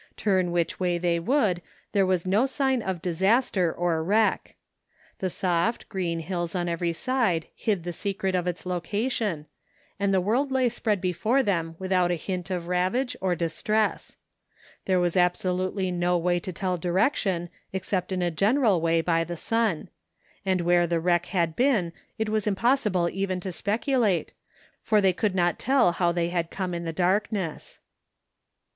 Turn which way they would there was no sign of disaster or wreck. The soft, 54 THE FINDING OF JASFEB HOLT green hills on every side hid the secret of its location, and the world lay spread before them without a hint of ravage or distress. There was absolutely no way to tell direction except in a general way by the sun; and where the wreck had been it was impossible even to speculate, for they could not tell how they had come in the darkness.